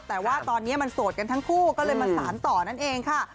แต่ว่าตอนนี้มันโสดกันทั้งคู่ก็เลยมาสารต่อนั่นเองค่ะ